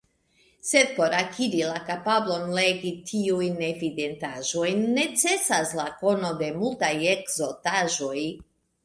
Sed por akiri la kapablon legi tiujn evidentaĵojn necesas la kono de multaj ekzotaĵoj.